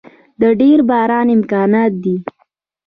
د ډیر باران امکانات دی